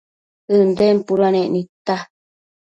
ënden puduanec nidta